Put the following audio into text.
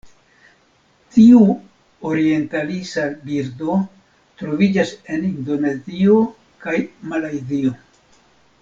Tiu orientalisa birdo troviĝas en Indonezio kaj Malajzio.